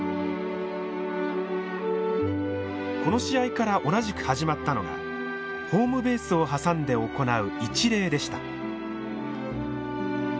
この試合から同じく始まったのがホームベースを挟んで行う一礼でした。